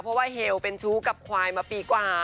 เพราะว่าเฮลเป็นชู้กับควายมาปีกว่า